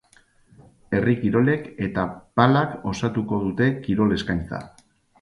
Herri kirolek eta palak osatuko dute kirol eskaintza.